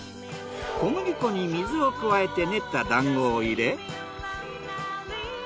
小麦粉に水を加えて練っただんごを入れ。